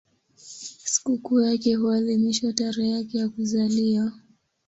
Sikukuu yake huadhimishwa tarehe yake ya kuzaliwa.